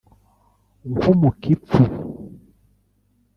nk’umukipfu